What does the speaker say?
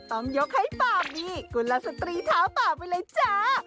ต้องยกให้ปามี่กุลสตรีเท้าป่าไปเลยจ้า